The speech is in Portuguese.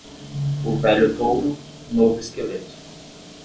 O velho touro, novo esqueleto.